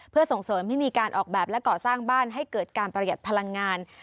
เพื่อส่งเสริมให้มีการออกแบบและก่อสร้างบ้านให้เกิดการประหยัดพลังงาน